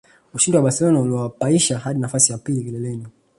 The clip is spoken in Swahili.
Ushindi kwa Barcelona uliwapaisha hadi nafasi ya pili kileleni